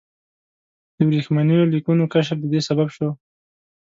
د ورېښمینو لیکونو کشف د دې سبب شو.